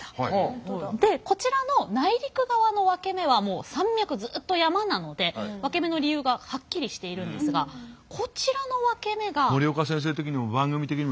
でこちらの内陸側のワケメはもう山脈ずっと山なのでワケメの理由がはっきりしているんですがこちらのワケメが。